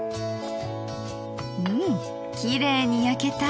うんきれいに焼けた。